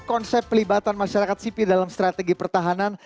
konsep pelibatan masyarakat sipil dalam strategi pertahanan